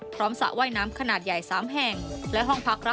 พร้อมสระว่ายน้ำขนาดอย่างมีอายุแพนจบในแม่ของกัมพูชา